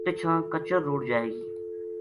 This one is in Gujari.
پِچھاں کچر رُڑ جائے گی